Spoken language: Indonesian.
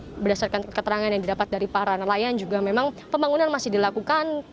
jadi berdasarkan keterangan yang didapat dari para nelayan juga memang pembangunan masih dilakukan